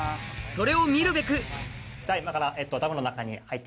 それを見るべくえ！